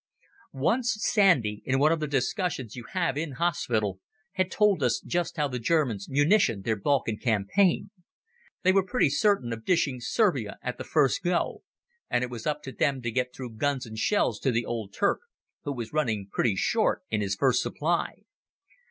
Once Sandy, in one of the discussions you have in hospital, had told us just how the Germans munitioned their Balkan campaign. They were pretty certain of dishing Serbia at the first go, and it was up to them to get through guns and shells to the old Turk, who was running pretty short in his first supply.